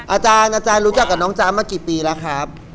อาจารย์อาจารย์รู้จักกับน้องจ๊ะมากี่ปีแล้วครับ